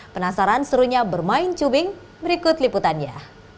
penasaran serunya bermain cubing berikut liputannya